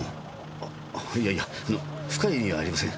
あいやいやあの深い意味はありません。